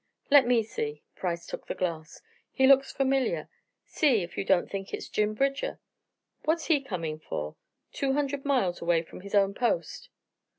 "Let me see." Price took the glass. "He looks familiar! See if you don't think it's Jim Bridger. What's he coming for two hundred miles away from his own post?"